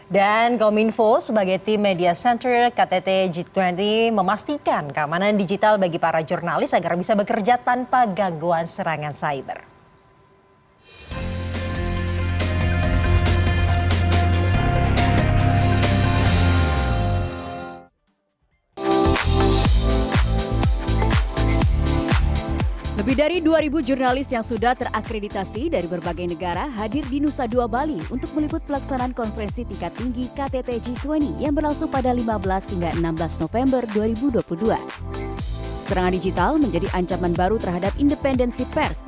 dan kominfo sebagai tim media center ktt g dua puluh memastikan keamanan digital bagi para jurnalis agar bisa bekerja tanpa gangguan serangan cyber